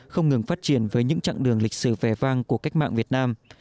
không ngừng phát triển với những chặng đường lịch sử vẻ vang của cách mạng việt nam